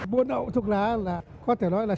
buôn bán thuốc lá là có thể nói là